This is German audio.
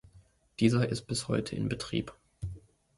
Dieser ist bis heute in Betrieb.